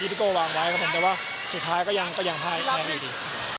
ที่พี่ก้อวางไว้ครับผมแต่ว่าสุดท้ายก็ยังก็ยังได้ดีดี